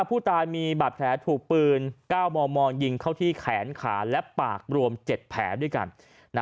ผู้ตายมีบาดแผลถูกปืน๙มมยิงเข้าที่แขนขาและปากรวม๗แผลด้วยกัน